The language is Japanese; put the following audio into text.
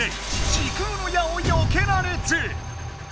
時空の矢をよけられず！